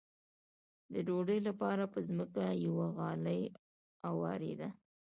د ډوډۍ لپاره به په ځمکه یوه غالۍ اوارېده.